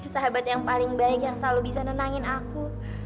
sahabat yang paling baik yang selalu bisa nenangin aku